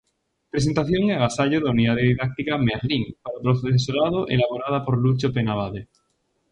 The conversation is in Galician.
Presentación e agasallo da unidade didáctica "Merlín" para o profesorado elaborada por Lucho Penabade.